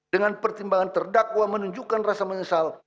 dengan pertimbangan terdakwa menunjukkan rasa menyesal